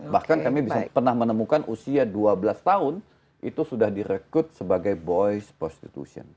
bahkan kami bisa pernah menemukan usia dua belas tahun itu sudah direkrut sebagai boys prostitution